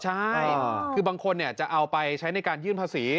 ใช่คือบางคนจะเอาไปใช้ในการยื่นภาษี